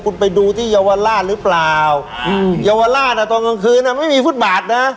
คุณไปดูที่เยาวราชหรือเปล่าอืมเยาวราชอ่ะตอนกลางคืนอ่ะไม่มีฟุตบาทนะ